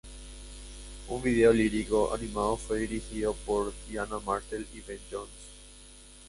Un vídeo lírico animado fue dirigido por Diane Martel y Ben Jones.